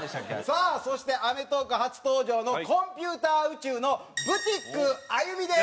さあそして『アメトーーク』初登場のコンピューター宇宙のブティックあゆみです！